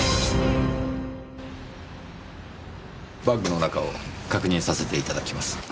バッグの中を確認させていただきます。